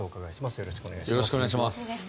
よろしくお願いします。